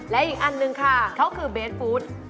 และอีกอันหนึ่งค่ะเขาคือเบสฟู้ด